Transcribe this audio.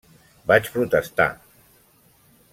Vaig protestar.